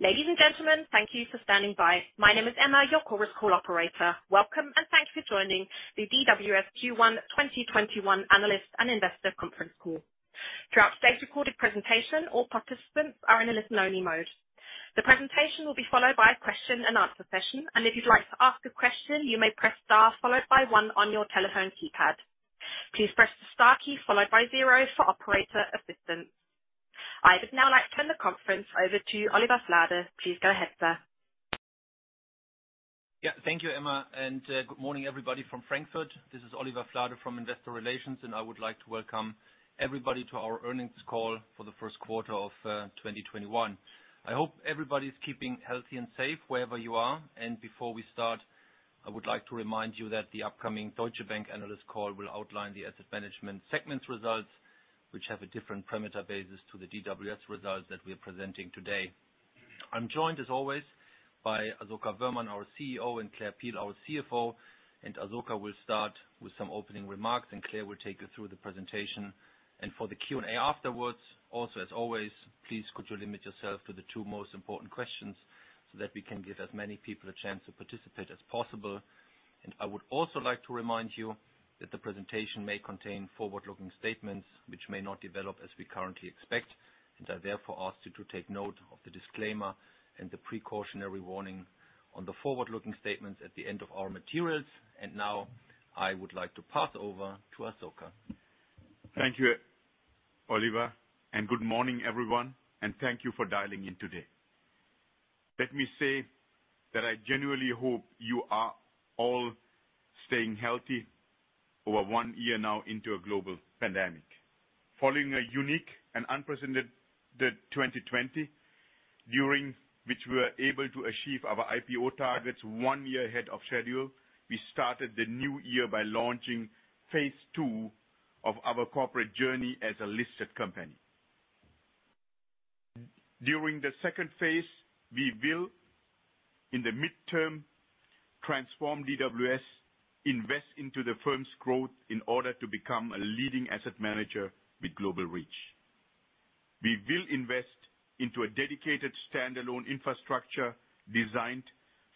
Ladies and gentlemen, thank you for standing by. My name is Emma, your Chorus Call operator. Welcome. Thanks for joining the DWS Q1 2021 Analyst and Investor Conference Call. Throughout today's recorded presentation, all participants are in a listen-only mode. The presentation will be followed by a question and answer session, and if you'd like to ask a question, you may press star followed by one on your telephone keypad. Please press the star key followed by zero for operator assistance. I would now like to turn the conference over to Oliver Flade. Please go ahead, sir. Yeah. Thank you, Emma. Good morning, everybody from Frankfurt. This is Oliver Flade from Investor Relations, and I would like to welcome everybody to our earnings call for the first quarter of 2021. I hope everybody's keeping healthy and safe wherever you are. Before we start, I would like to remind you that the upcoming Deutsche Bank analyst call will outline the asset management segment's results, which have a different parameter basis to the DWS results that we're presenting today. I'm joined as always by Asoka Wöhrmann, our CEO, and Claire Peel, our CFO, and Asoka will start with some opening remarks, and Claire will take you through the presentation. For the Q&A afterwards, also as always, please could you limit yourself to the two most important questions so that we can give as many people a chance to participate as possible. I would also like to remind you that the presentation may contain forward-looking statements which may not develop as we currently expect. I therefore ask you to take note of the disclaimer and the precautionary warning on the forward-looking statements at the end of our materials. Now I would like to pass over to Asoka. Thank you, Oliver, and good morning, everyone, and thank you for dialing in today. Let me say that I genuinely hope you are all staying healthy over one year now into a global pandemic. Following a unique and unprecedented 2020, during which we were able to achieve our IPO targets one year ahead of schedule, we started the new year by launching phase II of our corporate journey as a listed company. During the second phase, we will, in the midterm, transform DWS, invest into the firm's growth in order to become a leading asset manager with global reach. We will invest into a dedicated standalone infrastructure designed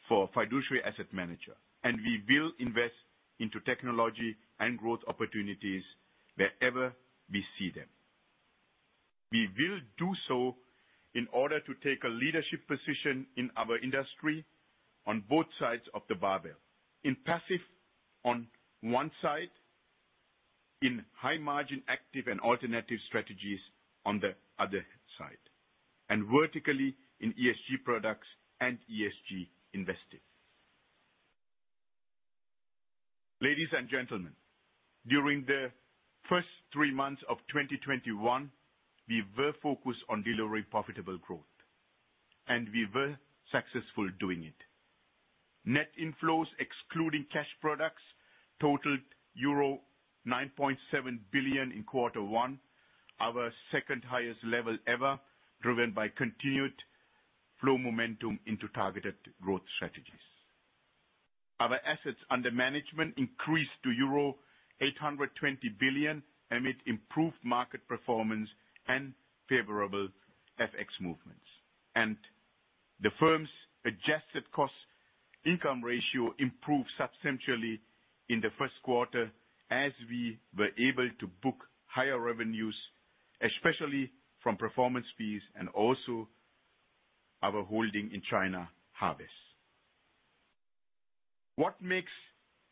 for a fiduciary asset manager, and we will invest into technology and growth opportunities wherever we see them. We will do so in order to take a leadership position in our industry on both sides of the barbell. In passive on one side, in high-margin active and alternative strategies on the other side, and vertically in ESG products and ESG investing. Ladies and gentlemen, during the first three months of 2021, we were focused on delivering profitable growth, and we were successful doing it. Net inflows excluding cash products totaled euro 9.7 billion in quarter one, our second highest level ever, driven by continued flow momentum into targeted growth strategies. Our assets under management increased to euro 820 billion amid improved market performance and favorable FX movements. The firm's adjusted cost income ratio improved substantially in the first quarter as we were able to book higher revenues, especially from performance fees and also our holding in China Harvest. What makes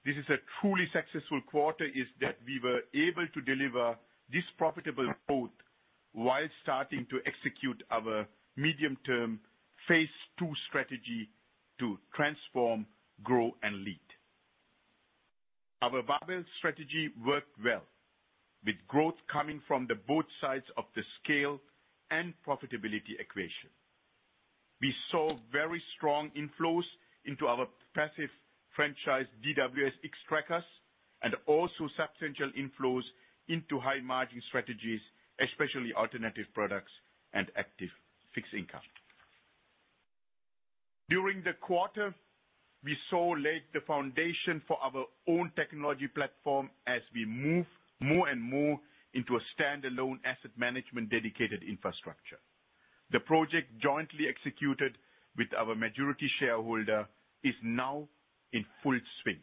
this a truly successful quarter is that we were able to deliver this profitable growth while starting to execute our medium-term phase two strategy to transform, grow, and lead. Our barbell strategy worked well, with growth coming from the both sides of the scale and profitability equation. We saw very strong inflows into our passive franchise, DWS Xtrackers, and also substantial inflows into high margin strategies, especially alternative products and active fixed income. During the quarter, we saw lay the foundation for our own technology platform as we move more and more into a standalone asset management dedicated infrastructure. The project jointly executed with our majority shareholder is now in full swing.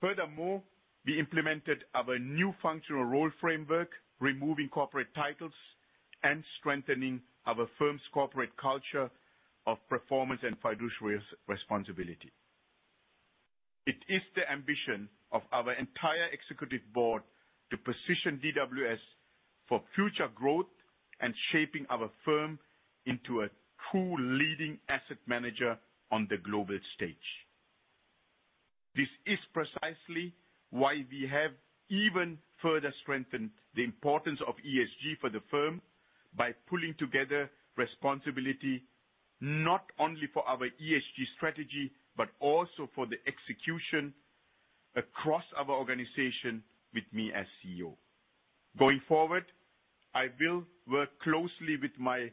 Furthermore, we implemented our new functional role framework, removing corporate titles and strengthening our firm's corporate culture of performance and fiduciary responsibility. It is the ambition of our entire executive board to position DWS for future growth and shaping our firm into a true leading asset manager on the global stage. This is precisely why we have even further strengthened the importance of ESG for the firm by pulling together responsibility, not only for our ESG strategy, but also for the execution across our organization with me as CEO. Going forward, I will work closely with my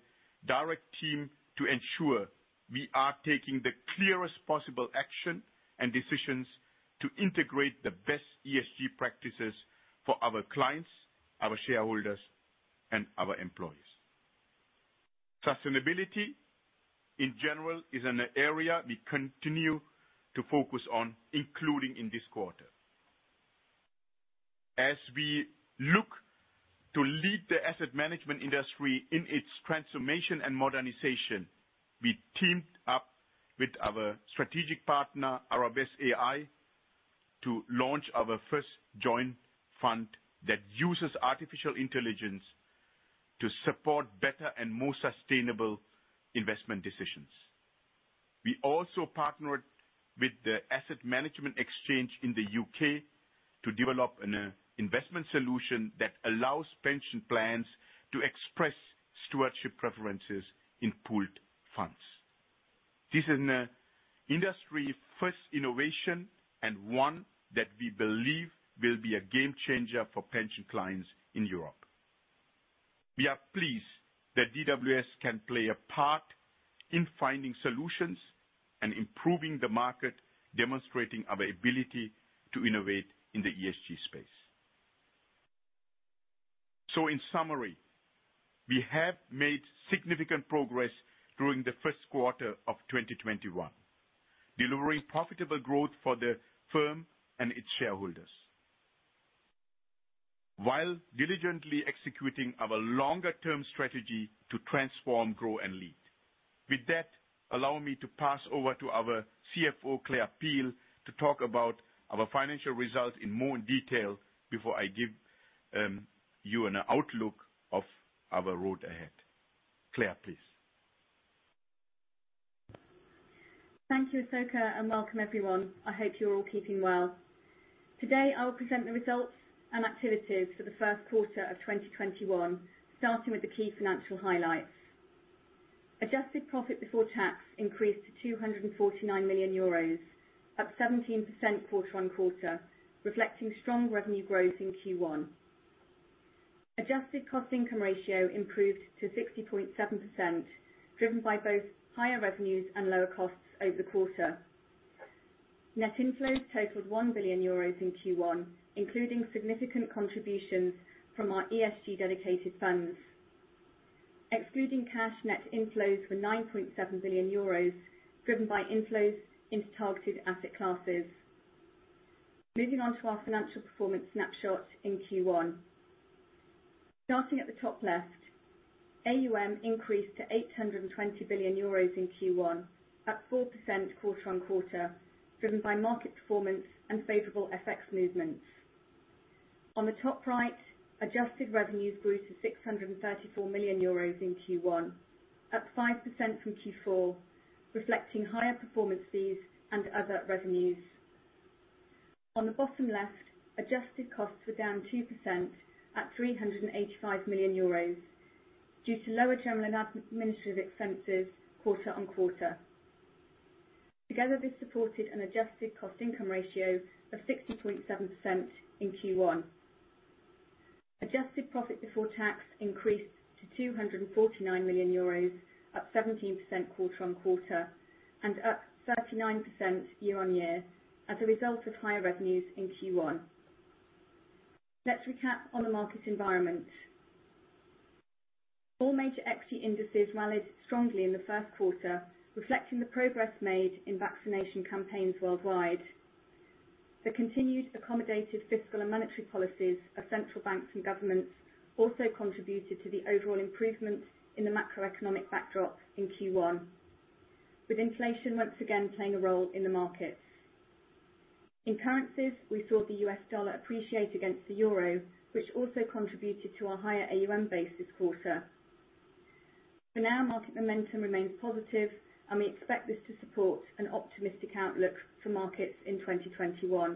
direct team to ensure we are taking the clearest possible action and decisions to integrate the best ESG practices for our clients, our shareholders, and our employees. Sustainability, in general, is an area we continue to focus on, including in this quarter. As we look to lead the asset management industry in its transformation and modernization, we teamed up with our strategic partner, Arabesque AI, to launch our first joint fund that uses artificial intelligence to support better and more sustainable investment decisions. We also partnered with the Asset Management Exchange in the U.K. to develop an investment solution that allows pension plans to express stewardship preferences in pooled funds. This is an industry-first innovation and one that we believe will be a game changer for pension clients in Europe. We are pleased that DWS can play a part in finding solutions and improving the market, demonstrating our ability to innovate in the ESG space. In summary, we have made significant progress during the first quarter of 2021, delivering profitable growth for the firm and its shareholders while diligently executing our longer-term strategy to transform, grow, and lead. Allow me to pass over to our CFO, Claire Peel, to talk about our financial results in more detail before I give you an outlook of our road ahead. Claire, please. Thank you, Asoka, and welcome everyone. I hope you're all keeping well. Today, I'll present the results and activities for the first quarter of 2021, starting with the key financial highlights. Adjusted profit before tax increased to 249 million euros, up 17% quarter-on-quarter, reflecting strong revenue growth in Q1. Adjusted cost-income ratio improved to 60.7%, driven by both higher revenues and lower costs over the quarter. Net inflows totaled 1 billion euros in Q1, including significant contributions from our ESG dedicated funds. Excluding cash, net inflows were 9.7 billion euros, driven by inflows into targeted asset classes. Moving on to our financial performance snapshot in Q1. Starting at the top left, AUM increased to 820 billion euros in Q1, up 4% quarter-on-quarter, driven by market performance and favorable FX movements. On the top right, adjusted revenues grew to 634 million euros in Q1, up 5% from Q4, reflecting higher performance fees and other revenues. On the bottom left, adjusted costs were down 2% at 385 million euros due to lower general and administrative expenses quarter-on-quarter. Together, this supported an adjusted cost income ratio of 60.7% in Q1. Adjusted profit before tax increased to EUR 249 million, up 17% quarter-on-quarter, and up 39% year-on-year as a result of higher revenues in Q1. Let's recap on the market environment. All major equity indices rallied strongly in the first quarter, reflecting the progress made in vaccination campaigns worldwide. The continued accommodative fiscal and monetary policies of central banks and governments also contributed to the overall improvements in the macroeconomic backdrop in Q1, with inflation once again playing a role in the markets. In currencies, we saw the US dollar appreciate against the euro, which also contributed to our higher AUM base this quarter. For now, market momentum remains positive, and we expect this to support an optimistic outlook for markets in 2021.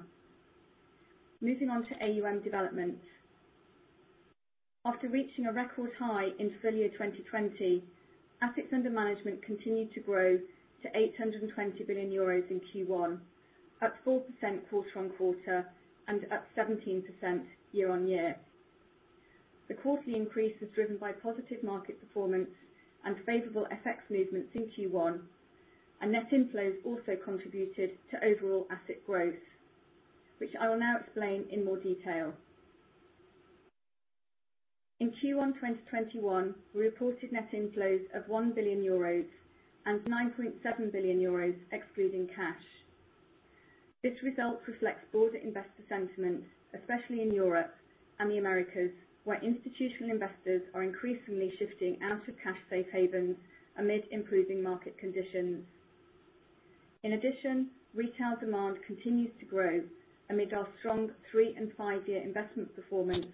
Moving on to AUM development. After reaching a record high in full-year 2020, assets under management continued to grow to 820 billion euros in Q1, up 4% quarter-on-quarter, and up 17% year-on-year. The quarterly increase was driven by positive market performance and favorable FX movements in Q1, and net inflows also contributed to overall asset growth, which I will now explain in more detail. In Q1 2021, we reported net inflows of 1 billion euros and 9.7 billion euros excluding cash. This result reflects broader investor sentiments, especially in Europe and the Americas, where institutional investors are increasingly shifting out of cash safe havens amid improving market conditions. In addition, retail demand continues to grow amid our strong three- and five-year investment performance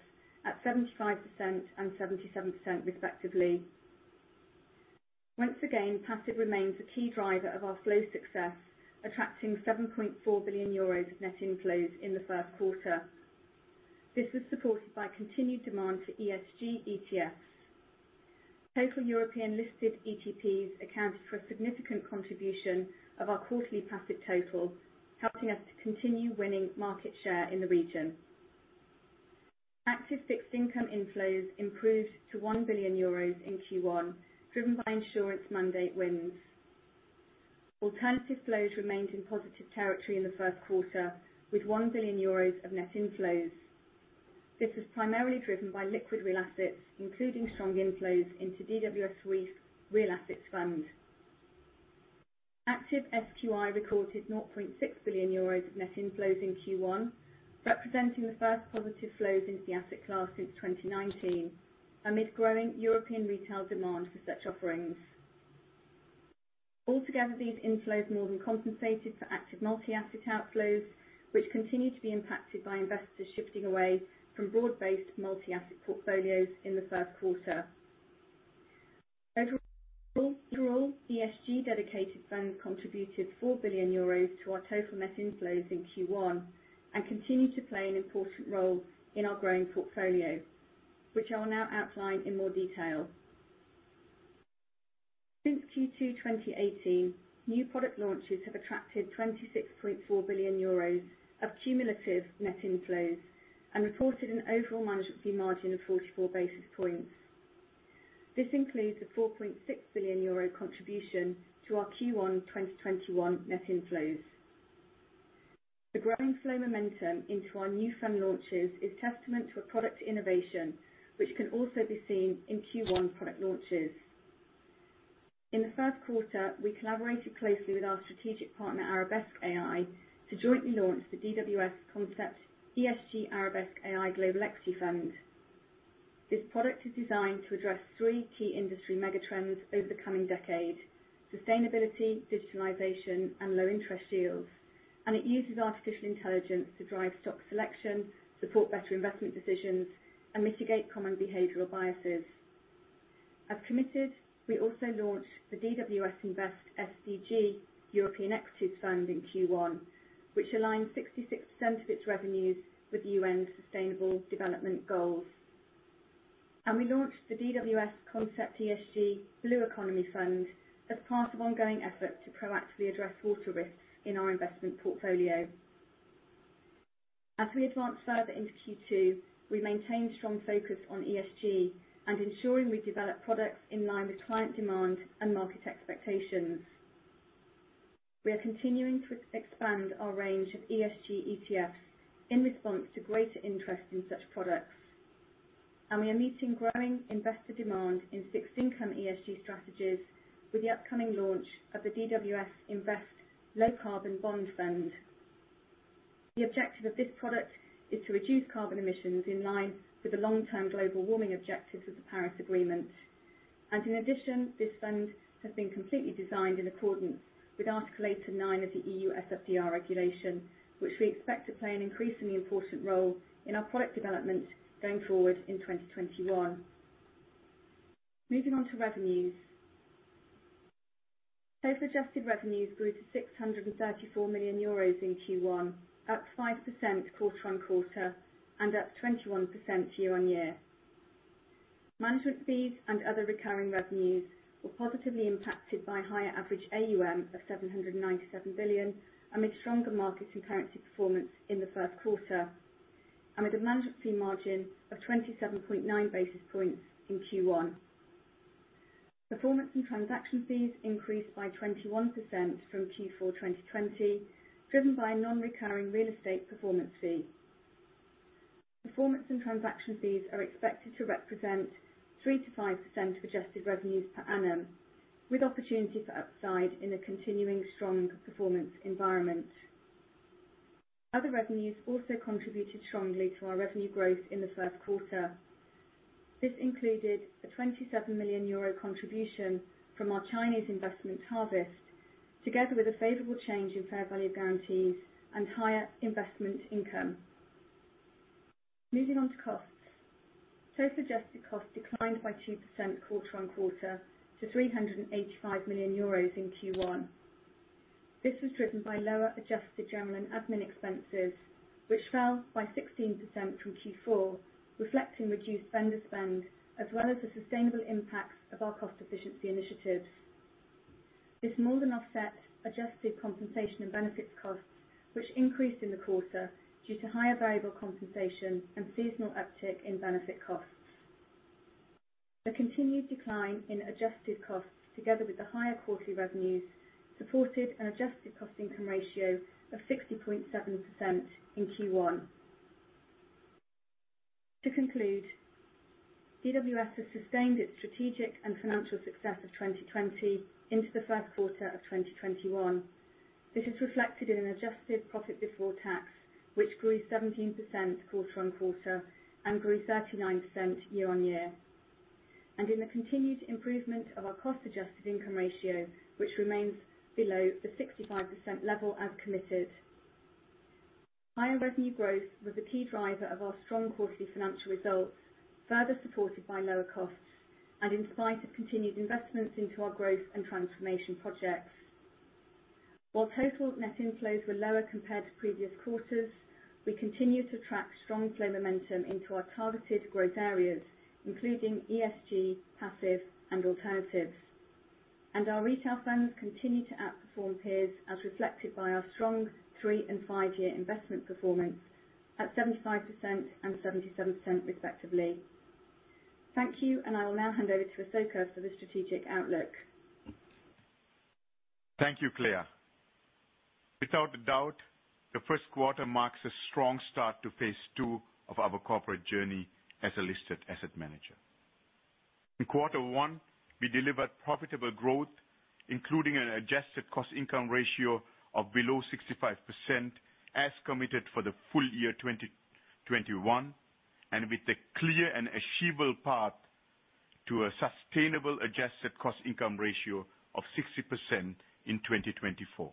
at 75% and 77%, respectively. Once again, passive remains a key driver of our flow success, attracting 7.4 billion euros of net inflows in the first quarter. This was supported by continued demand for ESG ETFs. Total European-listed ETPs accounted for a significant contribution of our quarterly passive total, helping us to continue winning market share in the region. Active fixed income inflows improved to 1 billion euros in Q1, driven by insurance mandate wins. Alternative flows remained in positive territory in the first quarter, with 1 billion euros of net inflows. This was primarily driven by liquid real assets, including strong inflows into DWS RREEF Real Assets Fund. Active SQI recorded 0.6 billion euros of net inflows in Q1, representing the first positive flows into the asset class since 2019, amid growing European retail demand for such offerings. Altogether, these inflows more than compensated for active multi-asset outflows, which continued to be impacted by investors shifting away from broad-based multi-asset portfolios in the first quarter. Overall, ESG dedicated funds contributed 4 billion euros to our total net inflows in Q1, and continue to play an important role in our growing portfolio, which I will now outline in more detail. Since Q2 2018, new product launches have attracted 26.4 billion euros of cumulative net inflows and reported an overall management fee margin of 44 basis points. This includes a 4.6 billion euro contribution to our Q1 2021 net inflows. The growing flow momentum into our new fund launches is testament to a product innovation which can also be seen in Q1 product launches. In the first quarter, we collaborated closely with our strategic partner, Arabesque AI, to jointly launch the DWS Concept ESG Arabesque AI Global Equity Fund. This product is designed to address three key industry mega trends over the coming decade: sustainability, digitalization, and low interest yields. It uses artificial intelligence to drive stock selection, support better investment decisions, and mitigate common behavioral biases. As committed, we also launched the DWS Invest SDG European Equity Fund in Q1, which aligns 66% of its revenues with the UN's Sustainable Development Goals. We launched the DWS Concept ESG Blue Economy Fund as part of ongoing effort to proactively address water risks in our investment portfolio. As we advance further into Q2, we maintain strong focus on ESG and ensuring we develop products in line with client demand and market expectations. We are continuing to expand our range of ESG ETFs in response to greater interest in such products. We are meeting growing investor demand in fixed income ESG strategies with the upcoming launch of the DWS Invest Low Carbon Bonds. The objective of this product is to reduce carbon emissions in line with the long-term global warming objectives of the Paris Agreement. In addition, this fund has been completely designed in accordance with Article eight to nine of the EU SFDR Regulation, which we expect to play an increasingly important role in our product development going forward in 2021. Moving on to revenues. Total adjusted revenues grew to 634 million euros in Q1, up 5% quarter-on-quarter and up 21% year-on-year. Management fees and other recurring revenues were positively impacted by higher average AUM of 797 billion, amid stronger markets and currency performance in the first quarter, and with a management fee margin of 27.9 basis points in Q1. Performance and transaction fees increased by 21% from Q4 2020, driven by a non-recurring real estate performance fee. Performance and transaction fees are expected to represent 3%-5% of adjusted revenues per annum, with opportunity for upside in a continuing strong performance environment. Other revenues also contributed strongly to our revenue growth in the first quarter. This included a 27 million euro contribution from our Chinese investment Harvest, together with a favorable change in fair value guarantees and higher investment income. Moving on to costs. Total adjusted costs declined by 2% quarter-on-quarter to 385 million euros in Q1. This was driven by lower adjusted general and admin expenses, which fell by 16% from Q4, reflecting reduced vendor spend as well as the sustainable impacts of our cost efficiency initiatives. This more than offsets adjusted compensation and benefits costs, which increased in the quarter due to higher variable compensation and seasonal uptick in benefit costs. The continued decline in adjusted costs, together with the higher quarterly revenues, supported an adjusted cost income ratio of 60.7% in Q1. To conclude, DWS has sustained its strategic and financial success of 2020 into the first quarter of 2021. This is reflected in an adjusted profit before tax, which grew 17% quarter-on-quarter and grew 39% year-on-year, and in the continued improvement of our cost adjusted income ratio, which remains below the 65% level as committed. Higher revenue growth was a key driver of our strong quarterly financial results, further supported by lower costs and in spite of continued investments into our growth and transformation projects. While total net inflows were lower compared to previous quarters, we continue to attract strong flow momentum into our targeted growth areas, including ESG, passive and alternatives. And our retail funds continue to outperform peers as reflected by our strong three and five-year investment performance at 75% and 77% respectively. Thank you, and I will now hand over to Asoka for the strategic outlook. Thank you, Claire. Without a doubt, the first quarter marks a strong start to phase two of our corporate journey as a listed asset manager. In quarter one, we delivered profitable growth, including an adjusted cost income ratio of below 65%, as committed for the full year 2021, and with a clear and achievable path to a sustainable adjusted cost income ratio of 60% in 2024.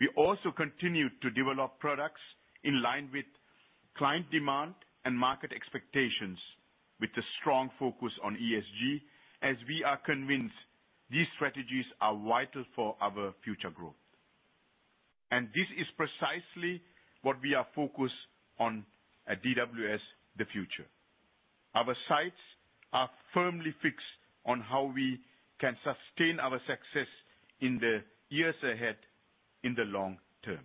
We also continued to develop products in line with client demand and market expectations, with a strong focus on ESG, as we are convinced these strategies are vital for our future growth. This is precisely what we are focused on at DWS, the future. Our sights are firmly fixed on how we can sustain our success in the years ahead in the long term,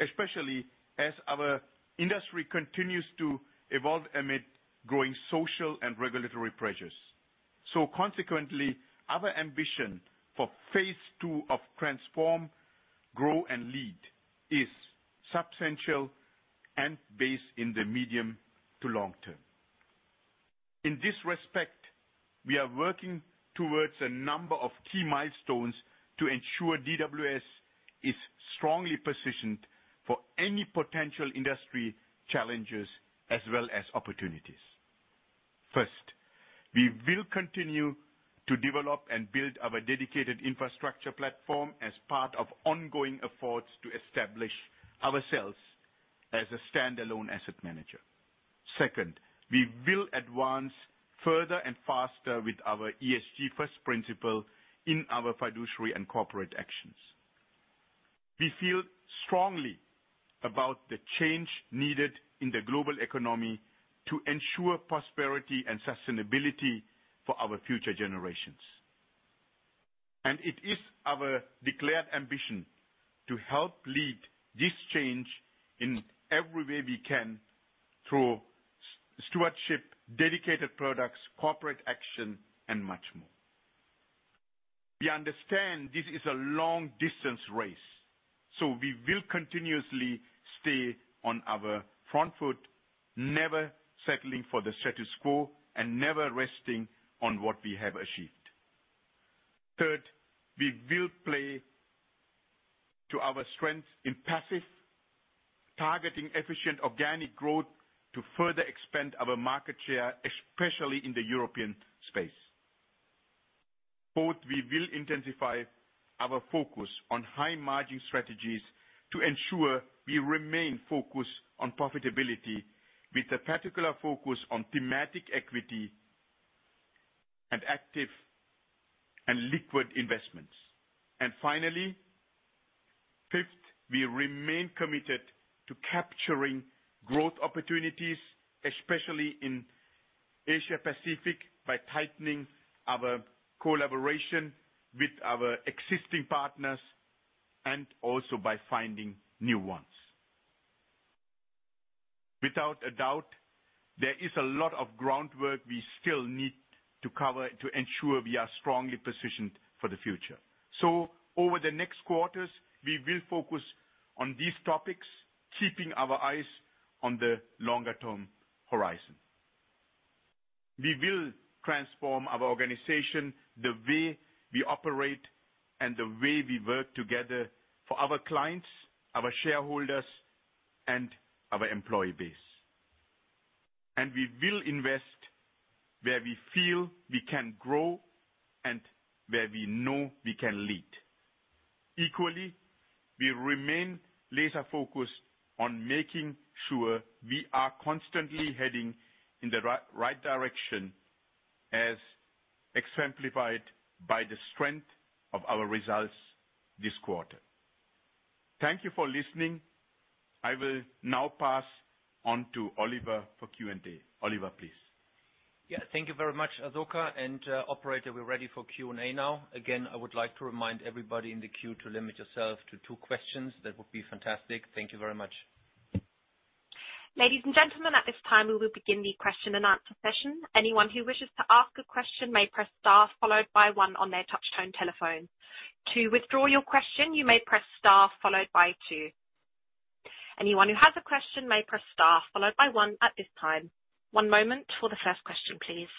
especially as our industry continues to evolve amid growing social and regulatory pressures. Consequently, our ambition for phase two of transform, grow, and lead is substantial and based in the medium to long term. In this respect, we are working towards a number of key milestones to ensure DWS is strongly positioned for any potential industry challenges as well as opportunities. First, we will continue to develop and build our dedicated infrastructure platform as part of ongoing efforts to establish ourselves as a standalone asset manager. Second, we will advance further and faster with our ESG first principle in our fiduciary and corporate actions. We feel strongly about the change needed in the global economy to ensure prosperity and sustainability for our future generations. It is our declared ambition to help lead this change in every way we can through stewardship, dedicated products, corporate action, and much more. We understand this is a long-distance race, so we will continuously stay on our front foot, never settling for the status quo and never resting on what we have achieved. Third, we will play to our strength in passive, targeting efficient organic growth to further expand our market share, especially in the European space. Fourth, we will intensify our focus on high-margin strategies to ensure we remain focused on profitability with a particular focus on thematic equity and active and liquid investments. Finally, fifth, we remain committed to capturing growth opportunities, especially in Asia Pacific, by tightening our collaboration with our existing partners and also by finding new ones. Without a doubt, there is a lot of groundwork we still need to cover to ensure we are strongly positioned for the future. Over the next quarters, we will focus on these topics, keeping our eyes on the longer-term horizon. We will transform our organization, the way we operate, and the way we work together for our clients, our shareholders, and our employee base. We will invest where we feel we can grow and where we know we can lead. Equally, we remain laser-focused on making sure we are constantly heading in the right direction, as exemplified by the strength of our results this quarter. Thank you for listening. I will now pass on to Oliver for Q&A. Oliver, please. Yeah. Thank you very much, Asoka. Operator, we're ready for Q&A now. Again, I would like to remind everybody in the queue to limit yourself to two questions. That would be fantastic. Thank you very much. Ladies and gentlemen, at this time we will begin the question and answer session. Anyone who wishes to ask a question may press star followed by one on their touch tone telephone. To withdraw your question, you may press star followed by two. Anyone who has a question may press star followed by one at this time. One moment for the first question, please.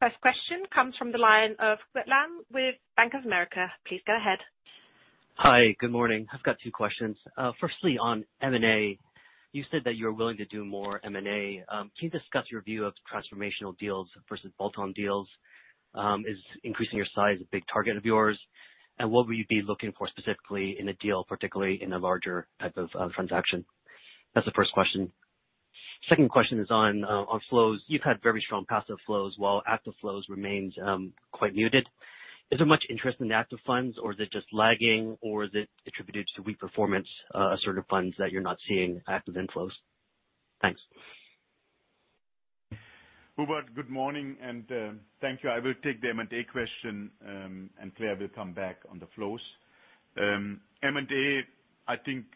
First question comes from the line of Lam with Bank of America. Please go ahead. Hi. Good morning. I've got two questions. Firstly, on M&A, you said that you're willing to do more M&A. Can you discuss your view of transformational deals versus bolt-on deals? Is increasing your size a big target of yours? What will you be looking for specifically in a deal, particularly in a larger type of transaction? That's the first question. Second question is on flows. You've had very strong passive flows while active flows remains quite muted. Is there much interest in the active funds or is it just lagging or is it attributed to weak performance, certain funds that you're not seeing active inflows? Thanks. Hubert, good morning, and thank you. I will take the M&A question, and Claire will come back on the flows. M&A, I think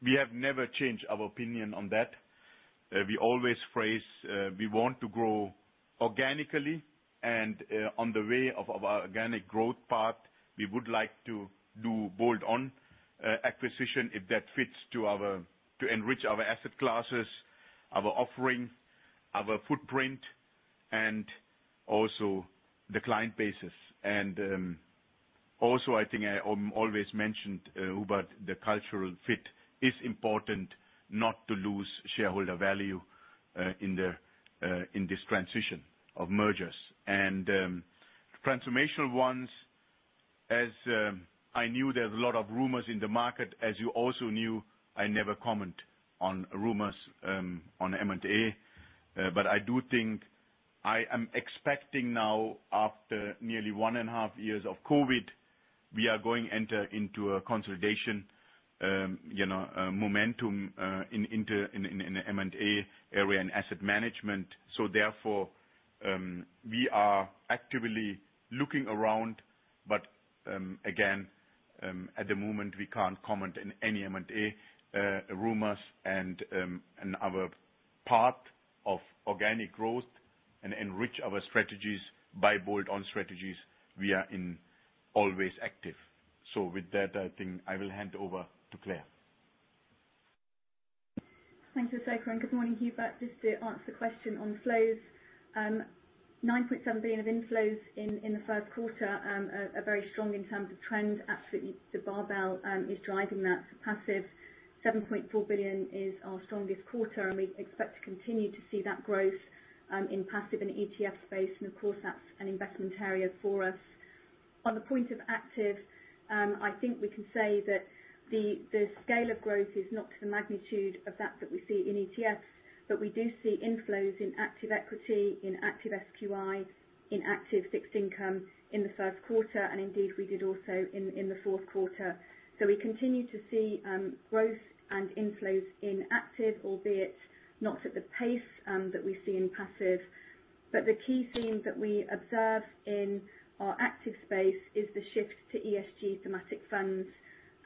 we have never changed our opinion on that. We always phrase we want to grow organically, and on the way of our organic growth path, we would like to do bolt-on acquisition if that fits to enrich our asset classes, our offering, our footprint, and also the client bases. Also, I think I always mentioned, Hubert, the cultural fit is important not to lose shareholder value in this transition of mergers. Transformational ones, as I knew there's a lot of rumors in the market, as you also knew, I never comment on rumors on M&A. I do think I am expecting now after nearly one and a half years of COVID, we are going enter into a consolidation momentum in the M&A area and asset management. Therefore, we are actively looking around. Again, at the moment, we can't comment in any M&A rumors and our path of organic growth and enrich our strategies by bolt-on strategies we are in always active. With that, I think I will hand over to Claire. Thanks, Asoka. Good morning, Hubert. Just to answer the question on flows. 9.7 billion of inflows in the first quarter are very strong in terms of trend. Absolutely, the barbell is driving that passive. 7.4 billion is our strongest quarter. We expect to continue to see that growth in passive and ETF space. Of course, that's an investment area for us. On the point of active, I think we can say that the scale of growth is not to the magnitude of that that we see in ETFs, but we do see inflows in active equity, in active SQI, in active fixed income in the first quarter. Indeed, we did also in the fourth quarter. We continue to see growth and inflows in active, albeit not at the pace that we see in passive. The key theme that we observe in our active space is the shift to ESG thematic funds,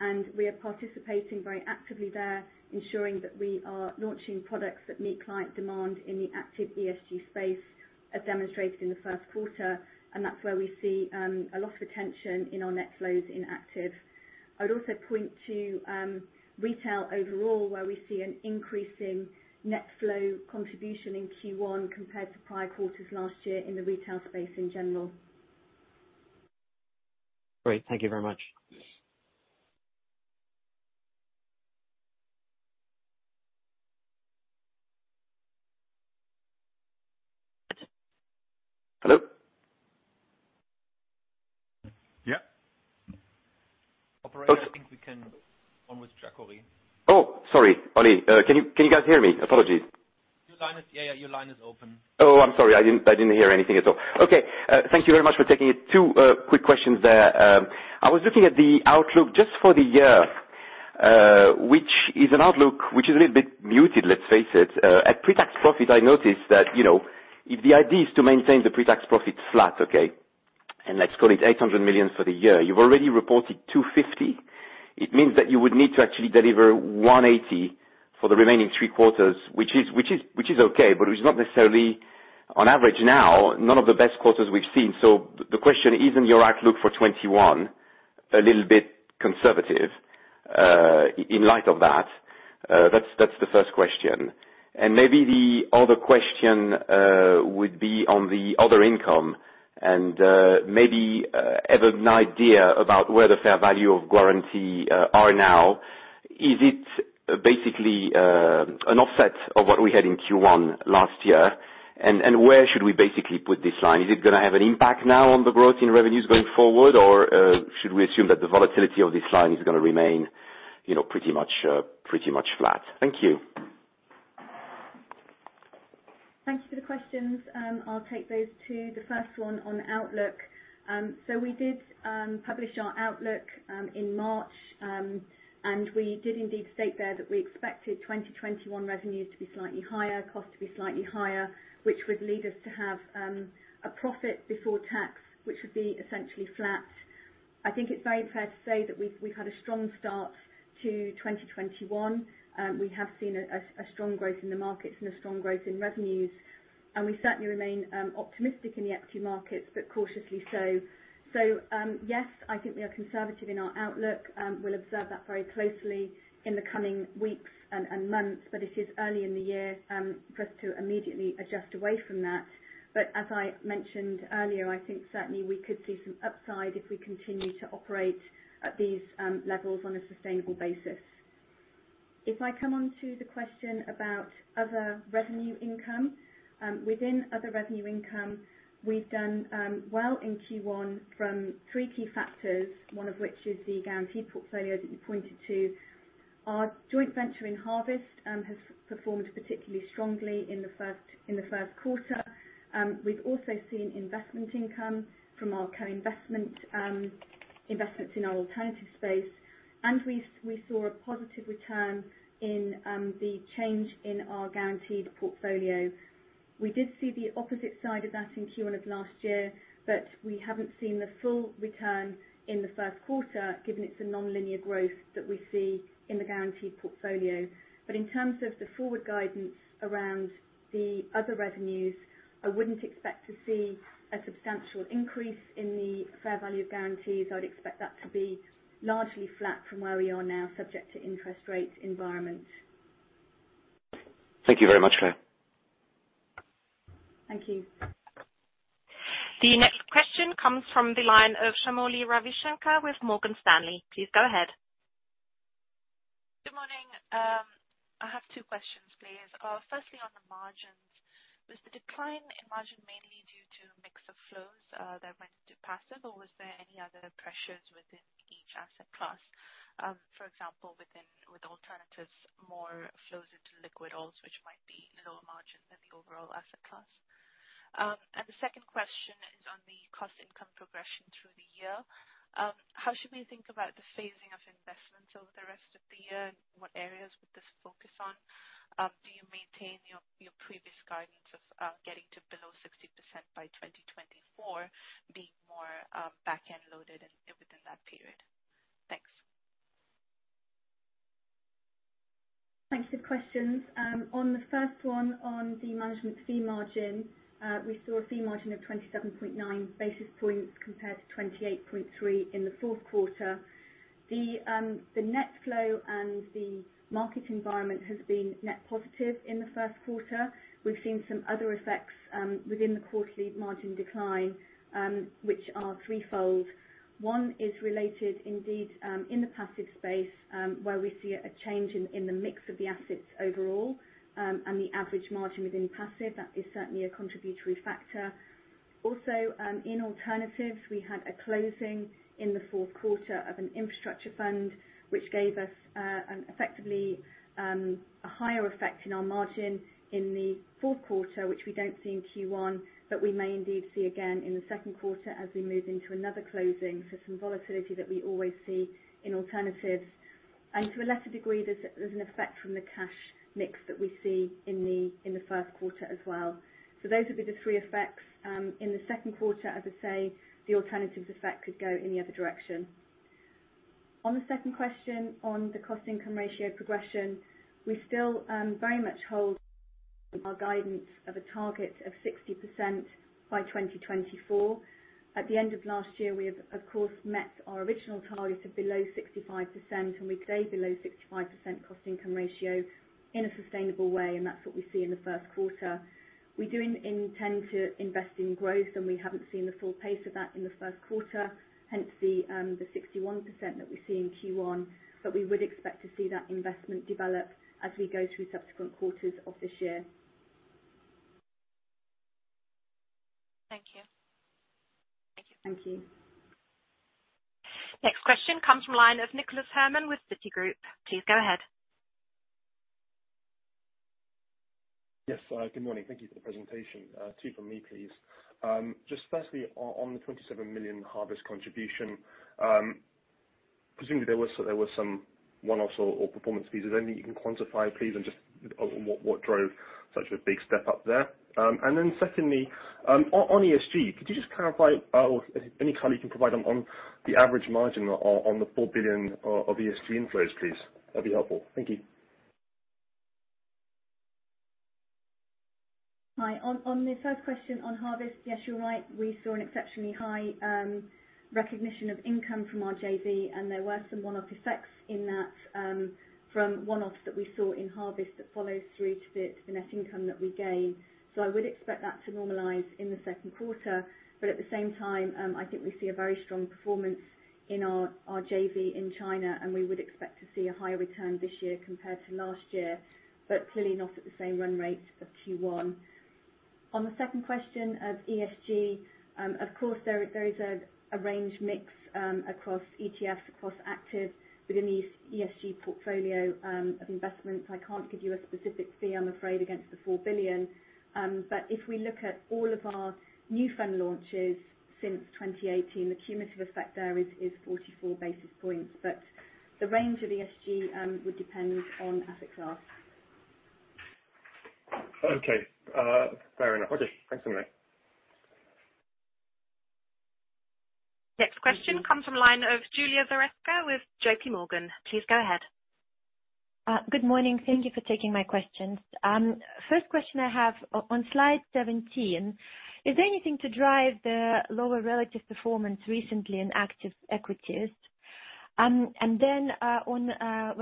and we are participating very actively there, ensuring that we are launching products that meet client demand in the active ESG space, as demonstrated in the first quarter. That's where we see a lot of attention in our net flows in active. I'd also point to retail overall, where we see an increase in net flow contribution in Q1 compared to prior quarters last year in the retail space in general. Great. Thank you very much. Hello? Yeah. Operator, I think we can on with Jacori. Oh, sorry, Oli. Can you guys hear me? Apologies. Yeah. Your line is open. Oh, I'm sorry. I didn't hear anything at all. Okay. Thank you very much for taking it. two quick questions there. I was looking at the outlook just for the year, which is an outlook which is a little bit muted, let's face it. At pre-tax profit, I noticed that if the idea is to maintain the pre-tax profit flat, okay, and let's call it 800 million for the year. You've already reported 250 million. It means that you would need to actually deliver 180 million for the remaining three quarters, which is okay, but which is not necessarily on average now, none of the best quarters we've seen. The question, isn't your outlook for 2021 a little bit conservative, in light of that? That's the first question. Maybe the other question would be on the other income and maybe have an idea about where the fair value of guarantee are now. Is it basically an offset of what we had in Q1 last year? Where should we basically put this line? Is it going to have an impact now on the growth in revenues going forward? Or should we assume that the volatility of this line is going to remain pretty much flat? Thank you. Thank you for the questions. I'll take those two. The first one on outlook. We did publish our outlook in March, and we did indeed state there that we expected 2021 revenues to be slightly higher, cost to be slightly higher, which would lead us to have a profit before tax, which would be essentially flat. I think it's very fair to say that we've had a strong start to 2021. We have seen a strong growth in the markets and a strong growth in revenues, and we certainly remain optimistic in the equity markets, but cautiously so. Yes, I think we are conservative in our outlook. We'll observe that very closely in the coming weeks and months, but it is early in the year for us to immediately adjust away from that. As I mentioned earlier, I think certainly we could see some upside if we continue to operate at these levels on a sustainable basis. If I come on to the question about other revenue income. Within other revenue income, we've done well in Q1 from three key factors, one of which is the guarantee portfolio that you pointed to. Our joint venture in Harvest has performed particularly strongly in the first quarter. We've also seen investment income from our co-investment in our alternatives space. We saw a positive return in the change in our guaranteed portfolio. We did see the opposite side of that in Q1 of last year, but we haven't seen the full return in the first quarter, given it's a nonlinear growth that we see in the guaranteed portfolio. In terms of the forward guidance around the other revenues, I wouldn't expect to see a substantial increase in the fair value of guarantees. I would expect that to be largely flat from where we are now, subject to interest rate environment. Thank you very much, Claire. Thank you. The next question comes from the line of Shamoli Ravishankar with Morgan Stanley. Please go ahead. Good morning. I have two questions, please. Firstly, on the margins. Was the decline in margin mainly due to mix of flows that went into passive, or was there any other pressures within each asset class? For example, with alternatives, more flows into liquid alts, which might be lower margin than the overall asset class. The second question is on the cost income progression through the year. How should we think about the phasing of investments over the rest of the year? What areas would this focus on? Do you maintain your previous guidance of getting to below 60% by 2024, being more back-end loaded and within that period? Thanks. Thanks for the questions. On the first one, on the management fee margin, we saw a fee margin of 27.9 basis points compared to 28.3 in the fourth quarter. The net flow and the market environment has been net positive in the first quarter. We've seen some other effects within the quarterly margin decline, which are threefold. One is related indeed, in the passive space, where we see a change in the mix of the assets overall, and the average margin within passive. That is certainly a contributory factor. Also, in alternatives, we had a closing in the fourth quarter of an infrastructure fund, which gave us effectively, a higher effect in our margin in the fourth quarter, which we don't see in Q1, but we may indeed see again in the second quarter as we move into another closing. Some volatility that we always see in alternatives. To a lesser degree, there's an effect from the cash mix that we see in the first quarter as well. Those would be the three effects. In the second quarter, I would say the alternatives effect could go in the other direction. On the second question, on the cost income ratio progression, we still very much hold our guidance of a target of 60% by 2024. At the end of last year, we have, of course, met our original target of below 65%, and we stay below 65% cost income ratio in a sustainable way, and that's what we see in the first quarter. We do intend to invest in growth, and we haven't seen the full pace of that in the first quarter, hence the 61% that we see in Q1. We would expect to see that investment develop as we go through subsequent quarters of this year. Thank you. Thank you. Next question comes from line of Nicholas Herman with Citigroup. Please go ahead. Yes. Good morning. Thank you for the presentation. Two from me, please. Firstly, on the 27 million Harvest contribution, presumably there was some one-off or performance fees. Is there anything you can quantify, please, on just what drove such a big step up there? Secondly, on ESG, could you just clarify any color you can provide on the average margin on the 4 billion of ESG inflows, please? That'd be helpful. Thank you. Hi. On the first question on Harvest, yes, you're right. We saw an exceptionally high recognition of income from our JV, and there were some one-off effects in that from one-offs that we saw in Harvest that follows through to the net income that we gain. I would expect that to normalize in the second quarter. At the same time, I think we see a very strong performance in our JV in China, and we would expect to see a higher return this year compared to last year, but clearly not at the same run rate of Q1. On the second question of ESG, of course, there is a range mix across ETFs, across active within the ESG portfolio of investments. I can't give you a specific fee, I'm afraid, against the 4 billion. If we look at all of our new fund launches since 2018, the cumulative effect there is 44 basis points. The range of ESG would depend on asset class. Okay. Fair enough. Okay. Thanks so much. Next question comes from the line of Julia Varesko with JPMorgan. Please go ahead. Good morning. Thank you for taking my questions. First question I have. On slide 17, is there anything to drive the lower relative performance recently in active equities? When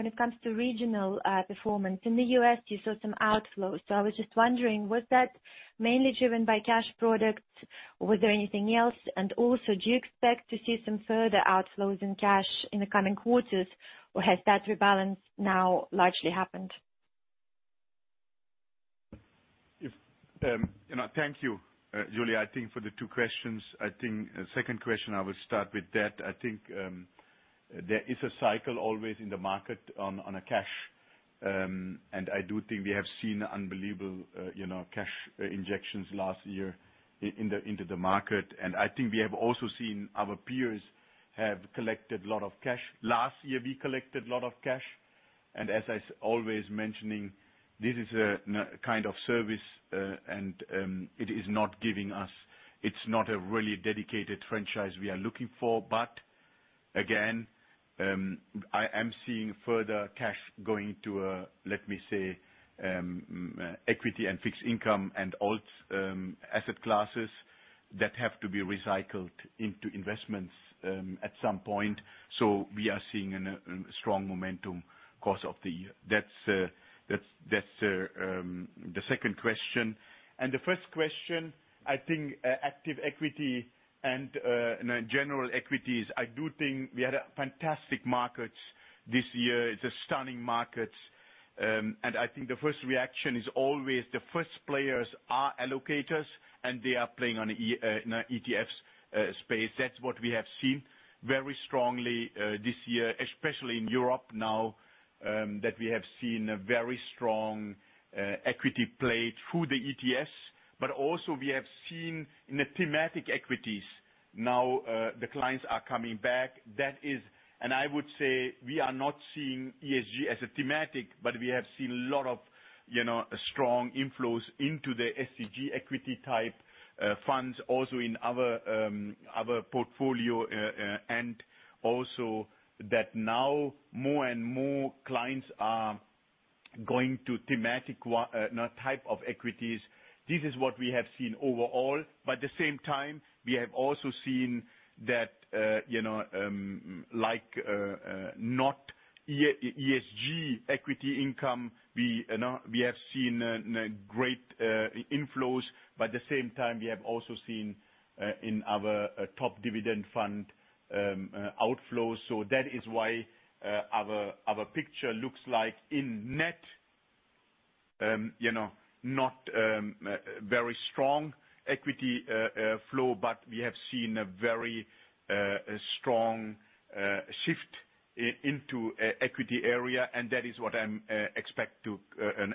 it comes to regional performance, in the U.S., you saw some outflows. I was just wondering, was that mainly driven by cash products? Was there anything else? Also, do you expect to see some further outflows in cash in the coming quarters? Has that rebalance now largely happened? Thank you, Julia. I think for the two questions. I think second question, I will start with that. There is a cycle always in the market on a cash. I do think we have seen unbelievable cash injections last year into the market. I think we have also seen our peers have collected a lot of cash. Last year, we collected a lot of cash. As I always mentioning, this is a kind of service, and it is not a really dedicated franchise we are looking for. Again, I am seeing further cash going to, let me say, equity and fixed income and alts asset classes that have to be recycled into investments at some point. We are seeing a strong momentum course of the year. That's the second question. The first question, I think active equity and general equities, I do think we had fantastic markets this year. It's a stunning market. I think the first reaction is always the first players are allocators, and they are playing on ETFs space. That's what we have seen very strongly this year, especially in Europe now, that we have seen a very strong equity play through the ETFs. Also we have seen in the thematic equities now the clients are coming back. I would say we are not seeing ESG as a thematic, but we have seen a lot of strong inflows into the ESG equity type funds, also in our portfolio, and also that now more and more clients are going to thematic type of equities. This is what we have seen overall. At the same time, we have also seen that like not ESG equity income, we have seen great inflows. At the same time, we have also seen in our top dividend fund outflows. That is why our picture looks like in net, not very strong equity flow, but we have seen a very strong shift into equity area, and that is what I'm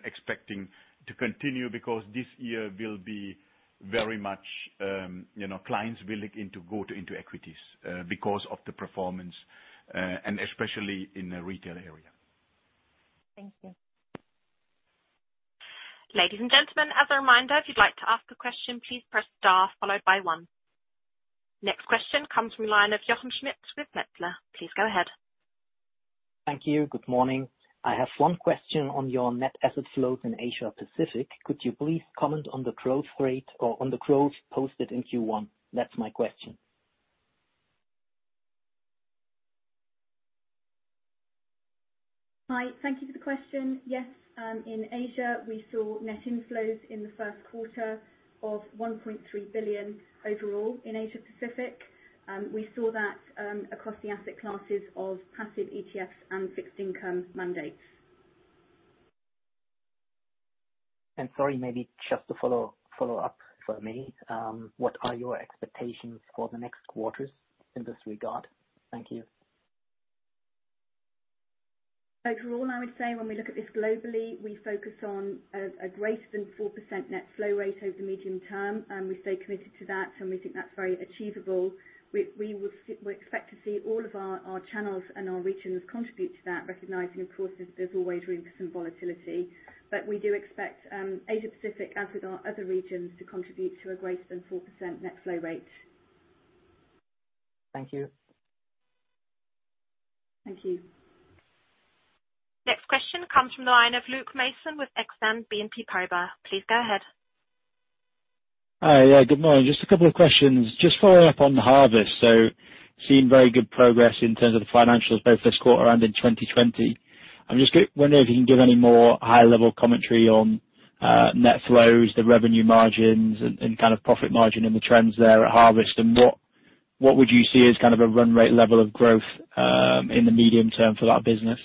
expecting to continue, because this year will be very much clients willing to go into equities because of the performance, and especially in the retail area. Thank you. Ladies and gentlemen, as a reminder, if you'd like to ask a question, please press star followed by one. Next question comes from the line of Jochen Schmitt with Metzler. Please go ahead. Thank you. Good morning. I have one question on your net asset flows in Asia Pacific. Could you please comment on the growth rate or on the growth posted in Q1? That is my question. Hi, thank you for the question. Yes, in Asia, we saw net inflows in the first quarter of 1.3 billion overall in Asia Pacific. We saw that across the asset classes of passive ETFs and fixed income mandates. Sorry, maybe just to follow up for me, what are your expectations for the next quarters in this regard? Thank you. Overall, I would say when we look at this globally, we focus on a greater than 4% net flow rate over the medium term, and we stay committed to that, and we think that's very achievable. We expect to see all of our channels and our regions contribute to that, recognizing, of course, there's always room for some volatility. We do expect Asia Pacific, as with our other regions, to contribute to a greater than 4% net flow rate. Thank you. Thank you. Next question comes from the line of Luke Mason with Exane BNP Paribas. Please go ahead. Hi. Yeah, good morning. Just a couple of questions. Just following up on the Harvest. Seeing very good progress in terms of the financials both this quarter and in 2020. I'm just wondering if you can give any more high-level commentary on net flows, the revenue margins and kind of profit margin and the trends there at Harvest, and what would you see as kind of a run rate level of growth in the medium term for that business?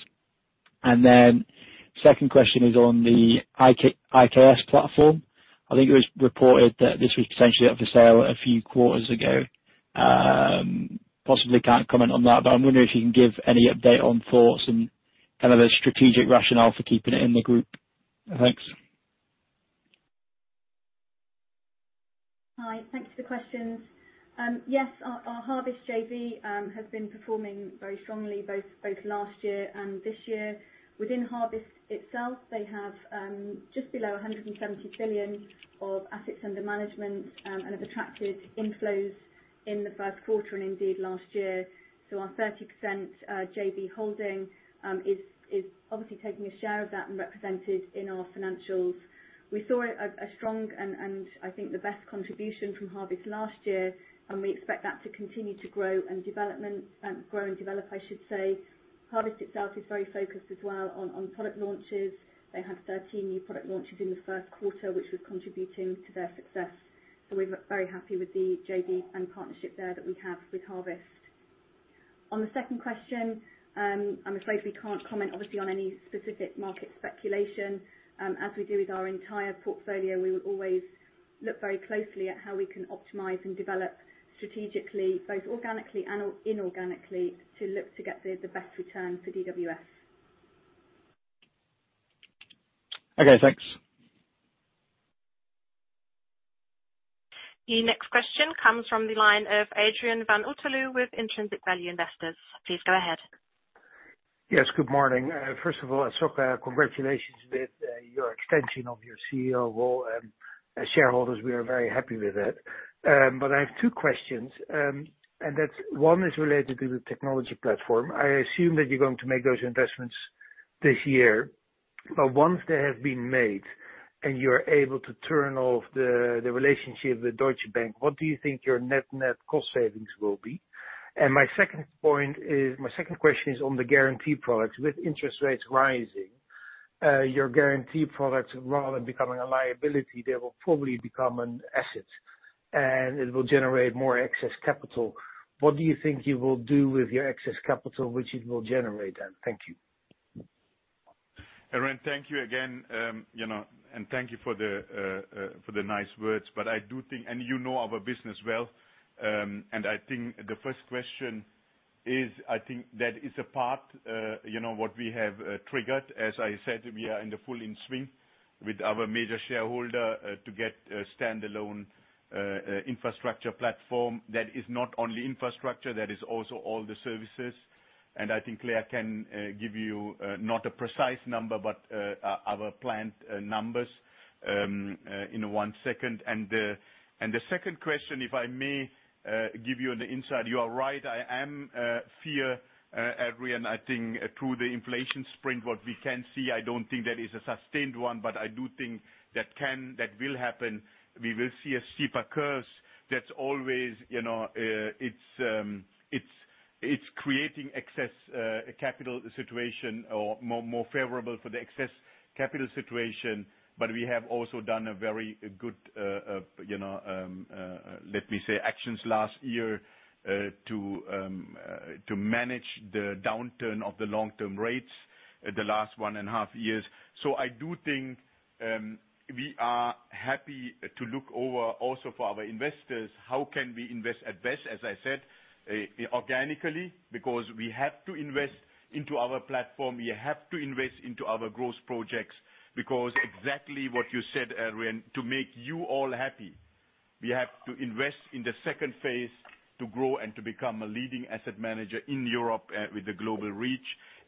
Second question is on the IKS platform. I think it was reported that this was potentially up for sale a few quarters ago. Possibly can't comment on that, but I'm wondering if you can give any update on thoughts and kind of a strategic rationale for keeping it in the group. Thanks. Our Harvest JV has been performing very strongly both last year and this year. Within Harvest itself, they have just below 170 billion of assets under management and have attracted inflows in the first quarter and indeed last year. Our 30% JV holding is obviously taking a share of that and represented in our financials. We saw a strong and I think the best contribution from Harvest last year. We expect that to continue to grow and develop. Harvest itself is very focused as well on product launches. They had 13 new product launches in the first quarter, which was contributing to their success. We're very happy with the JV and partnership there that we have with Harvest. On the second question, I'm afraid we can't comment, obviously, on any specific market speculation. As we do with our entire portfolio, we will always look very closely at how we can optimize and develop strategically, both organically and inorganically, to look to get the best return for DWS. Okay, thanks. The next question comes from the line of Adriaan van Otterloo with Intrinsic Value Investors. Please go ahead. Yes, good morning. First of all, Asoka, congratulations with your extension of your CEO role. As shareholders, we are very happy with it. I have two questions, and that one is related to the technology platform. I assume that you're going to make those investments this year. Once they have been made and you're able to turn off the relationship with Deutsche Bank, what do you think your net-net cost savings will be? My second question is on the guarantee products. With interest rates rising, your guarantee products, rather than becoming a liability, they will probably become an asset, and it will generate more excess capital. What do you think you will do with your excess capital, which it will generate then? Thank you. Adriaan, thank you again. Thank you for the nice words. You know our business well. I think the first question is, that is a part what we have triggered. As I said, we are in the full in swing with our major shareholder, to get a standalone infrastructure platform that is not only infrastructure, that is also all the services. I think Claire can give you, not a precise number, but our planned numbers in one second. The second question, if I may give you on the inside. You are right, I fear, Adriaan, I think through the inflation sprint, what we can see, I don't think that is a sustained one, but I do think that will happen. We will see a steeper curve. It is creating excess capital situation or more favorable for the excess capital situation. We have also done a very good, let me say, actions last year, to manage the downturn of the long-term rates the last one and a half years. I do think we are happy to look over also for our investors, how can we invest at best, as I said, organically, because we have to invest into our platform. We have to invest into our growth projects, because exactly what you said, Adriaan, to make you all happy. We have to invest in the second phase to grow and to become a leading asset manager in Europe, with the global reach.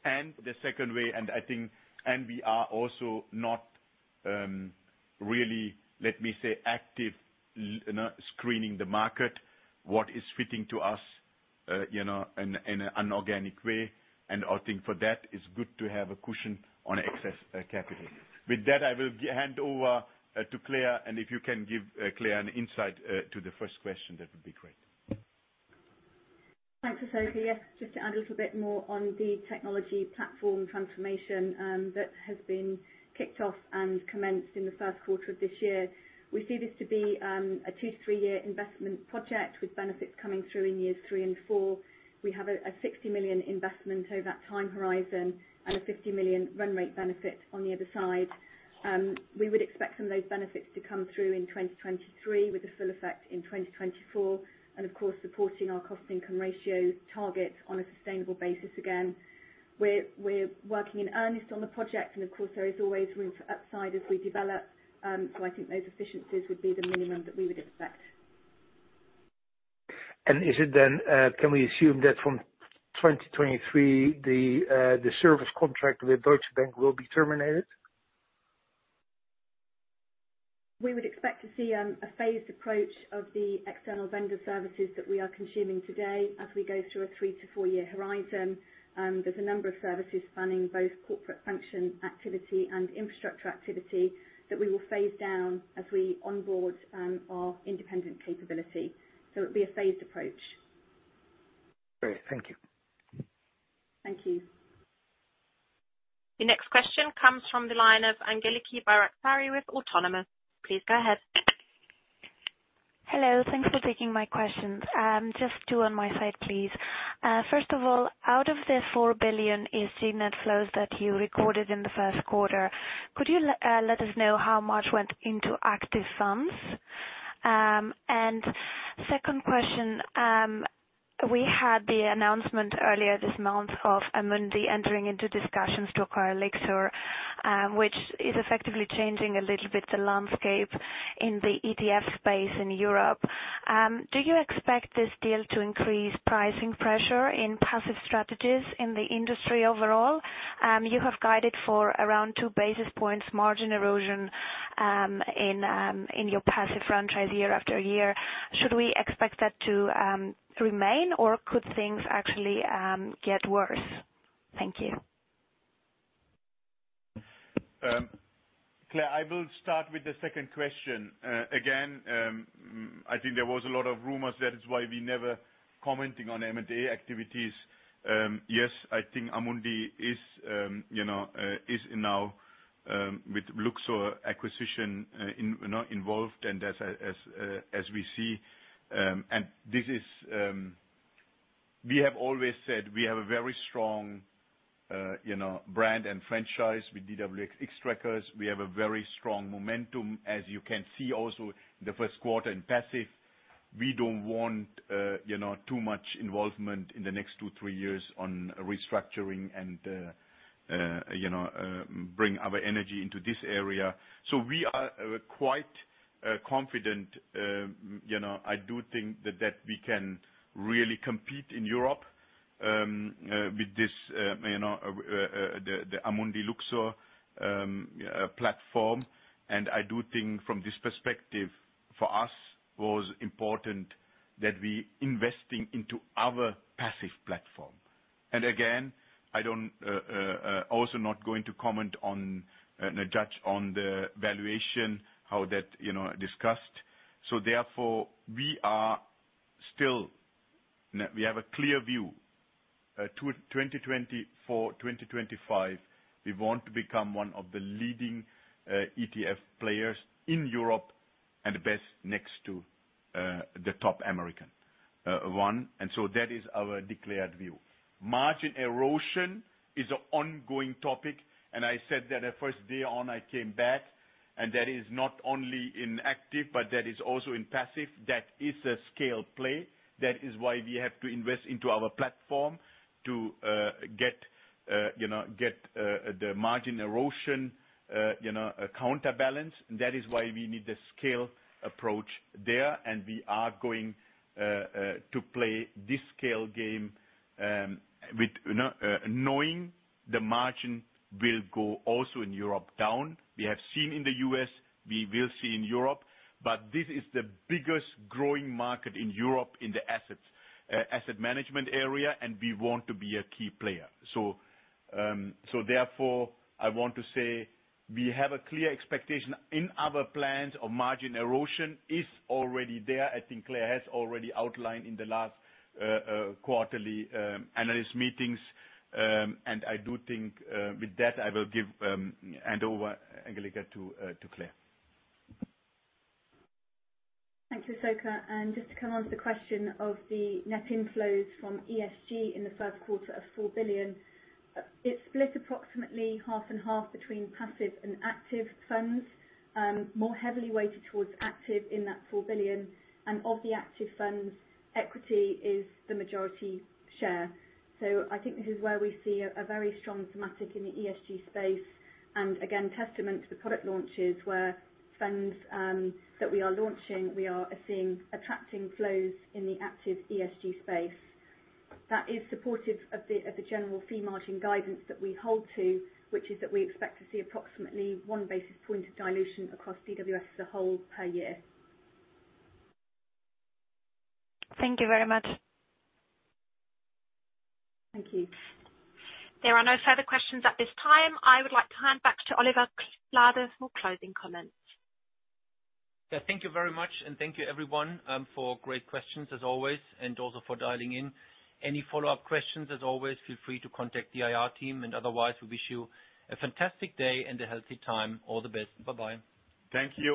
The second way, and we are also not really, let me say, active screening the market, what is fitting to us in an inorganic way. I think for that, it's good to have a cushion on excess capital. With that, I will hand over to Claire, and if you can give Claire an insight to the first question, that would be great. Thanks, Asoka. Just to add a little bit more on the technology platform transformation that has been kicked off and commenced in the first quarter of this year. We see this to be a two, three-year investment project with benefits coming through in years three and four. We have a 60 million investment over that time horizon and a 50 million run rate benefit on the other side. We would expect some of those benefits to come through in 2023 with the full effect in 2024, and of course, supporting our cost income ratio targets on a sustainable basis again. We're working in earnest on the project, and of course, there is always room for upside as we develop. I think those efficiencies would be the minimum that we would expect. Can we assume that from 2023, the service contract with Deutsche Bank will be terminated? We would expect to see a phased approach of the external vendor services that we are consuming today as we go through a three to four-year horizon. There's a number of services spanning both corporate function activity and infrastructure activity that we will phase down as we onboard our independent capability. It'll be a phased approach. Great. Thank you. Thank you. The next question comes from the line of Angeliki Bairaktari with Autonomous. Please go ahead. Hello. Thanks for taking my questions. Just two on my side, please. First of all, out of the 4 billion AC net flows that you recorded in the first quarter, could you let us know how much went into active funds? Second question, we had the announcement earlier this month of Amundi entering into discussions to acquire Lyxor, which is effectively changing a little bit the landscape in the ETF space in Europe. Do you expect this deal to increase pricing pressure in passive strategies in the industry overall? You have guided for around two basis points margin erosion in your passive franchise year-over-year. Should we expect that to remain, or could things actually get worse? Thank you. Claire, I will start with the second question. I think there was a lot of rumors. That is why we never commenting on M&A activities. I think Amundi is now, with Lyxor acquisition, involved, and as we see. We have always said we have a very strong brand and franchise with DWS Xtrackers. We have a very strong momentum, as you can see also in the first quarter in passive. We don't want too much involvement in the next two, three years on restructuring and bring our energy into this area. We are quite confident. I do think that we can really compete in Europe with the Amundi Lyxor platform. I do think from this perspective, for us, was important that we investing into our passive platform. Again, I also not going to comment on, judge on the valuation, how that discussed. Therefore, we have a clear view. 2024, 2025, we want to become one of the leading ETF players in Europe and the best next to the top American one. That is our declared view. Margin erosion is an ongoing topic, and I said that the first day on I came back, and that is not only in active, but that is also in passive. That is a scale play. That is why we have to invest into our platform to get the margin erosion counterbalance. That is why we need the scale approach there, and we are going to play this scale game knowing the margin will go also in Europe down. We have seen in the U.S. We will see in Europe. This is the biggest growing market in Europe in the asset management area. We want to be a key player. Therefore, I want to say we have a clear expectation in our plans of margin erosion is already there. I think Claire has already outlined in the last quarterly analyst meetings. I do think with that, I will hand over Angeliki to Claire. Thanks, Asoka. Just to come on to the question of the net inflows from ESG in the first quarter of 4 billion. It split approximately half and half between passive and active funds. More heavily weighted towards active in that 4 billion. Of the active funds, equity is the majority share. I think this is where we see a very strong thematic in the ESG space, again, testament to the product launches where funds that we are launching, we are seeing attracting flows in the active ESG space. That is supportive of the general fee margin guidance that we hold to, which is that we expect to see approximately one basis point of dilution across DWS as a whole per year. Thank you very much. Thank you. There are no further questions at this time. I would like to hand back to Oliver Flade for closing comments. Thank you very much. Thank you everyone for great questions as always, and also for dialing in. Any follow-up questions, as always, feel free to contact the IR team. Otherwise, we wish you a fantastic day and a healthy time. All the best. Bye-bye. Thank you.